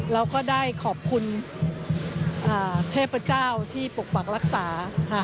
เราก็ได้ขอบคุณเทพเจ้าที่ปกปักรักษาค่ะ